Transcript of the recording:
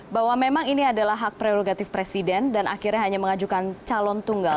bahwa memang ini adalah hak prerogatif presiden dan akhirnya hanya mengajukan calon tunggal